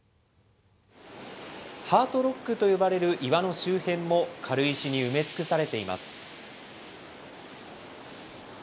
ハートロックと呼ばれる岩の周辺も、軽石に埋め尽くされています。